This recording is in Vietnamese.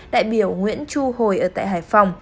đại biểu nguyễn chu hồi ở tại hải phòng